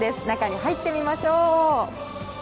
中に入ってみましょう。